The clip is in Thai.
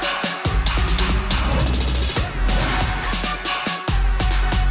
กัปตันหน้าเป้ากำลังสำคัญของทีมทหารน้ำราชนาวี